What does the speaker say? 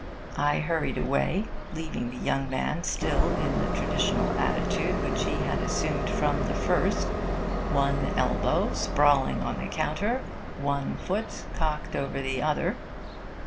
I hurried away, leaving the young man still in the traditional attitude which he had assumed from the first one elbow sprawling on the counter, one foot cocked over the other.